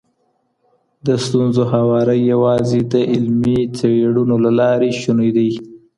د ستونزو هواری یوازي د علمي څېړنو له لاري شونی دی.